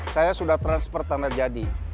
saya sudah transfer tanah jadi